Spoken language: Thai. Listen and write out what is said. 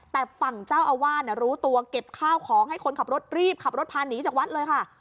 แต่ฝั่งเจ้าอาวาสรู้ตัวเก็บข้าวของให้คนขับรถรีบขับรถพาหนีจากวัดเลยค่ะ